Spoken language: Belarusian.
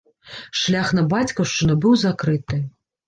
Шлях на бацькаўшчыну быў закрыты.